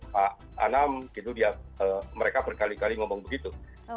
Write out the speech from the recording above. pak anam gitu dia mereka berkali kali ngomong begitu